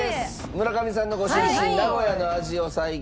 村上さんのご出身名古屋の味を再現。